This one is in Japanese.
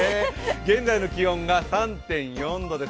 現在の気温が３．４度です。